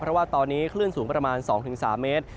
เพราะว่าตอนนี้คลื่นสูงประมาณ๒๓เมตร